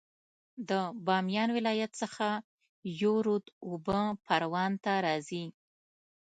د بامیان ولایت څخه یو رود اوبه پروان ته راځي